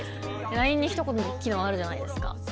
ＬＩＮＥにひと言って機能あるじゃないですか。